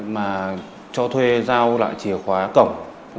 mà cho thuê giao lại chìa khóa cổng